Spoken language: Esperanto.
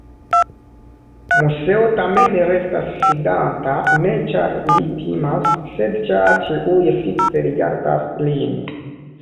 Moseo tamen restas sidanta, ne ĉar li timas, sed ĉar ĉiuj fikse rigardas lin.